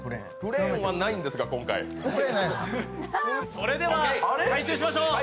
それでは回収しましょう。